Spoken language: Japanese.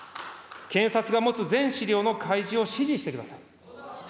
検察が持つ全資料の開示を指示してください。